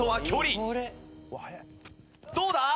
どうだ？